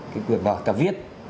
cái quyền vào tập viết